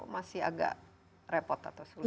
masih agak repot atau sulit